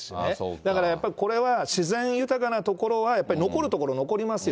だからやっぱり、これは自然豊かな所は、やっぱり残る所、残りますよ。